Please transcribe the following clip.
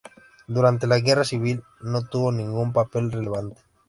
Durante la Guerra civil no tuvo ningún papel relevante.